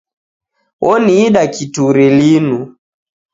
Oniida kituri linu.